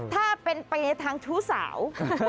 ถ้าเป็นเปย์ทางชู้สาว